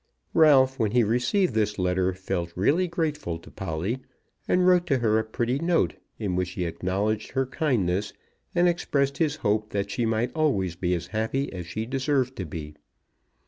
Ralph, when he received this letter, felt really grateful to Polly, and wrote to her a pretty note, in which he acknowledged her kindness, and expressed his hope that she might always be as happy as she deserved to be.